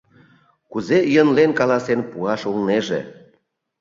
Кузе йӧнлен каласен пуаш улнеже?